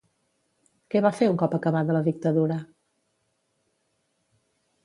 Què va fer un cop acabada la dictadura?